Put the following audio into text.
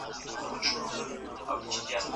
که لوستل وي نو فکر نه تنګیږي.